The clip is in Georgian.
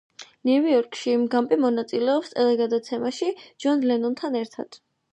ნიუ იორკში გამპი მონაწილეობს ტელეგადაცემაში, ჯონ ლენონთან ერთად.